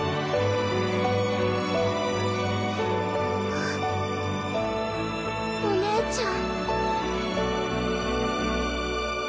はっお姉ちゃん。